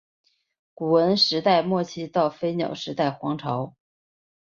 古坟时代末期到飞鸟时代皇族。